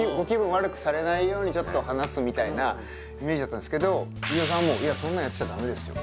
悪くされないように話すみたいなイメージだったんですけど飯尾さんはもう「そんなんやってちゃダメですよ」